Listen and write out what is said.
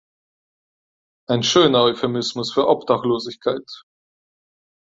Ein schöner Euphemismus für Obdachlosigkeit!